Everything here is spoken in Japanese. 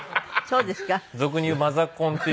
そうですか。